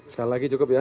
sekali lagi cukup ya